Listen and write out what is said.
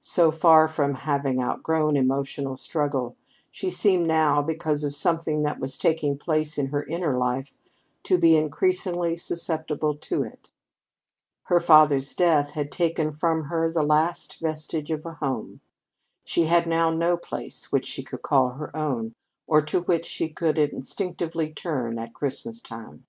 So far from having outgrown emotional struggle, she seemed now, because of something that was taking place in her inner life, to be increasingly susceptible to it. Her father's death had taken from her the last vestige of a home. She had now no place which she could call her own, or to which she would instinctively turn at Christmas time.